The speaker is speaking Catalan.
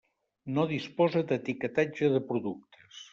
No disposa d'etiquetatge de productes.